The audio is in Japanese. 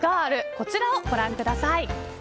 こちらをご覧ください。